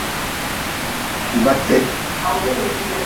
Ba te.